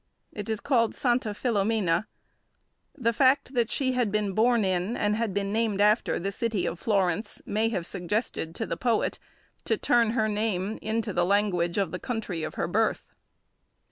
It is called "Santa Filomena." The fact that she had been born in, and had been named after, the city of Florence, may have suggested to the poet to turn her name into the language of the country of her birth.